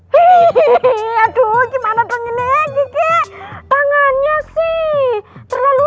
hehehe aduh gimana dong ini kiki tangannya sih terlalu